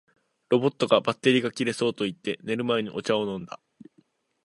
ロボットが「バッテリーが切れそう」と言って、寝る前にお茶を飲んだ